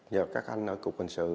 nhờ các anh ở cục hình sự